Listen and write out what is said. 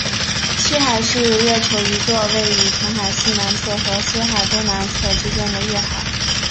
汽海是月球一座位于澄海西南侧和雨海东南侧之间的月海。